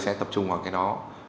sẽ tập trung vào cái đó